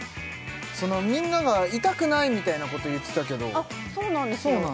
みんなが「痛くない」みたいなこと言ってたけどそうなんですよ